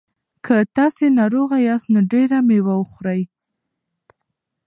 که تاسي ناروغه یاست نو ډېره مېوه خورئ.